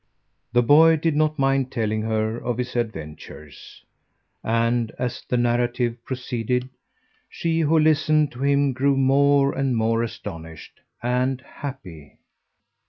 The boy did not mind telling her of his adventures, and, as the narrative proceeded, she who listened to him grew more and more astonished and happy.